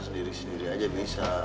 sendiri sendiri aja bisa